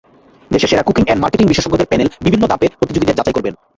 দেশের সেরা cooking and marketing বিশেষজ্ঞদের প্যানেল বিভিন্ন ধাপে প্রতিযোগীদের যাচাই করবেন।